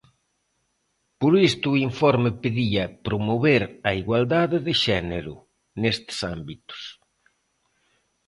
Por isto o informe pedía "promover a igualdade de xénero" nestes ámbitos.